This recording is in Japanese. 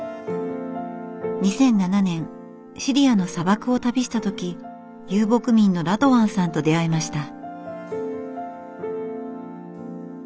２００７年シリアの砂漠を旅した時遊牧民のラドワンさんと出会いました。